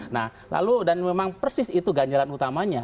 nah lalu dan memang persis itu ganjalan utamanya